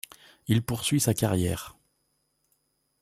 Il poursuit sa carrière.